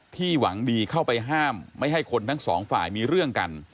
หวังดีเข้าไปห้ามไม่ให้คนทั้งสองฝ่ายมีเรื่องกัน